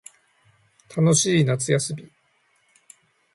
楽しい夏休み